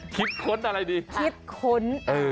คิดค้นอะไรดีค่ะคิดค้น